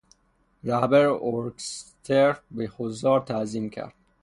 رهبر ارکستر به حضار تعظیم کرد.